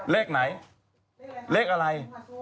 เลขไหนเลขอะไร